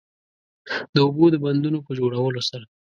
د اوبو د بندونو په جوړولو سره